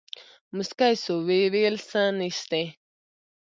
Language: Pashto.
موسکى سو ويې ويل سه نيشتې.